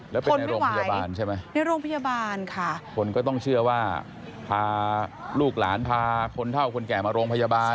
ทนไม่ไหวในโรงพยาบาลค่ะพนต้องเชื่อว่าพาลูกหลานพาคนเท่าคนแก่มาโรงพยาบาล